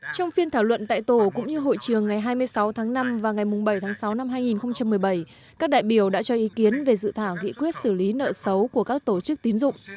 trong phiên thảo luận tại tổ cũng như hội trường ngày hai mươi sáu tháng năm và ngày bảy tháng sáu năm hai nghìn một mươi bảy các đại biểu đã cho ý kiến về dự thảo nghị quyết xử lý nợ xấu của các tổ chức tín dụng